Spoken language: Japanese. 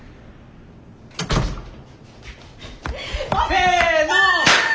せの！